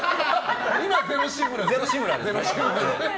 今、ゼロ志村です。